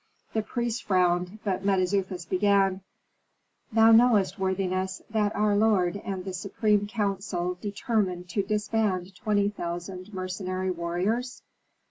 The priests frowned, but Mentezufis began, "Thou knowest, worthiness, that our lord and the supreme council determined to disband twenty thousand mercenary warriors?"